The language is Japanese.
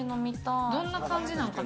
どんな感じなんかな？